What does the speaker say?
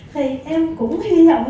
thì em cũng hy vọng là mình